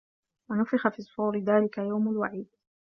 وَنُفِخَ فِي الصّورِ ذلِكَ يَومُ الوَعيدِ